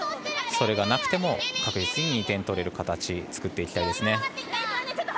それがなくても確実に２点取れる形を作っていきたいですね。